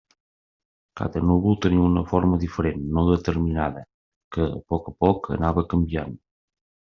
Cada núvol tenia una forma diferent, no determinada, que, a poc a poc, anava canviant.